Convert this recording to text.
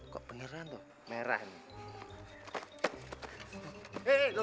kok beneran tuh merah nih